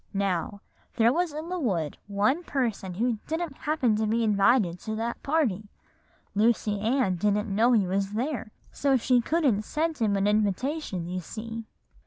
"Now, there was in the wood one person who didn't happen to be invited to that party. Lucy Ann didn't know he was there, so she couldn't send him an invitation you see.